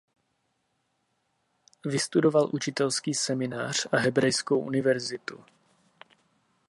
Vystudoval učitelský seminář a Hebrejskou univerzitu.